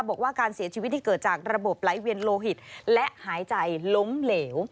บอกว่าการเสียชีวิตที่เกิดจากระบบไหลเวียนโลหิตและหายใจล้มเหลว